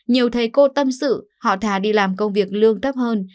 nhiều thầy cô tâm sự họ thà đi làm công việc lương thấp hơn